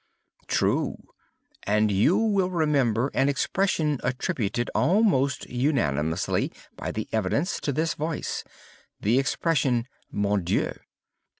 "True; and you will remember an expression attributed almost unanimously, by the evidence, to this voice,—the expression, '_mon Dieu!